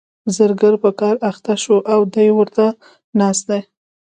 زرګر په کار اخته شو او دی ورته ناست دی.